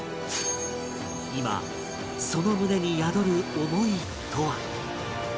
今その胸に宿る思いとは？